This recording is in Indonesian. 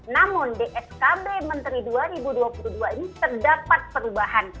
namun di skb menteri dua ribu dua puluh dua ini terdapat perubahan